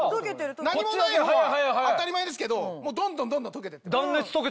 何もない方は当たり前ですけどもうどんどんどんどん溶けてってます。